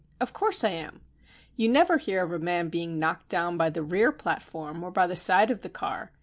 Of course I am. You never heard of a man being knocked down by the rear platform or by the side of the car.